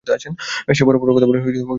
সে বড় বড় কথা বলে নিজেকে জাহির করে।